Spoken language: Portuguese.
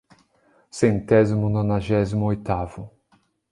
Centésimo nonagésimo oitavo